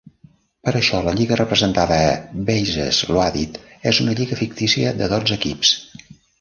Per això, la lliga representada a "Bases Loaded" és una lliga fictícia de dotze equips.